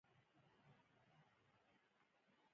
په ننګرهار پوهنتون کې محصلینو ته د سرک پروژې سپارل کیږي